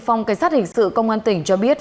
phòng cảnh sát hình sự công an tỉnh cho biết